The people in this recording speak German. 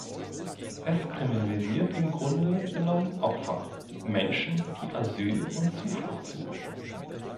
Es kriminalisiert im Grunde genommen Opfer, Menschen, die Asyl und Zuflucht suchen.